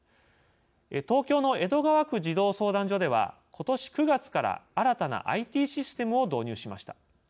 東京の江戸川区児童相談所ではことし９月から新たなＩＴシステムを導入しました。